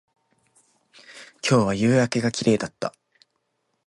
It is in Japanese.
今日は夕焼けが綺麗だった